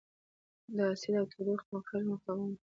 د اسید او تودوخې په مقابل کې مقاوم وي.